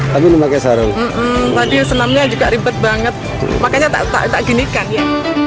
tapi senamnya juga ribet banget makanya tak ginikan ya